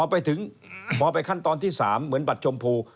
พอไปขั้นตอนที่๓เหมือนบัตรชมพู